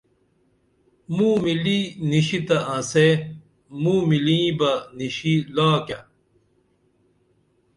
موں مِلی نِشی تہ انسے موں مِلیں بہ نِشی لاکیہ